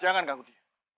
jangan ganggu dia